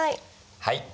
はい。